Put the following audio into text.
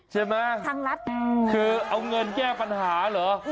ใช่ไหมคือเอาเงินแก้ปัญหาเหรอ